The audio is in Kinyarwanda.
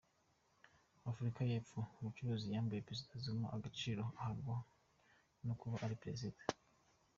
Afurika y’ Epfo: Abacuruzi bambuye Perezida Zuma agaciro ahabwa no kuba ari Perezida .